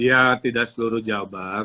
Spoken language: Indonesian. ya tidak seluruh jabar